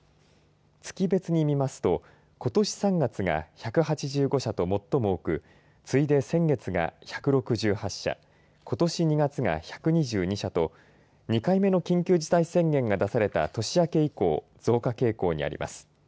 月別に見ますとことし３月が１８５社と最も多く次いで先月が１６８社ことし２月が１２２社と２回目の緊急事態宣言が出された年明け以降増加傾向にあります。